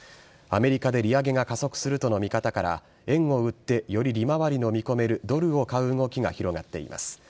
アメリカで利上げが加速するとの見方から円を売ってより利回りの見込めるドルを買う動きが広がっています。